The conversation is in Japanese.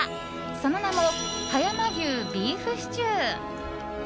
その名も葉山牛ビーフシチュー。